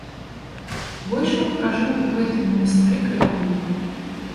Войшалк пражыў у гэтым манастыры каля года.